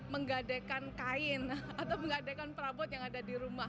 menggadekan kain atau menggadekan perabot yang ada di rumah